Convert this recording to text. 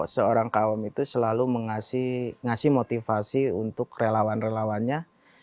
seorang kak awam itu selalu mengasih motivasi untuk relawan relawannya